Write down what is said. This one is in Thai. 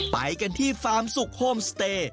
ไปกันที่ฟาร์มสุขโฮมสเตย์